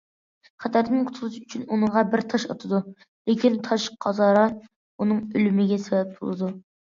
خەتەردىن قۇتقۇزۇش ئۈچۈن ئۇنىڭغا بىر تاش ئاتىدۇ، لېكىن تاش قازارا ئۇنىڭ ئۆلۈمىگە سەۋەب بولىدۇ.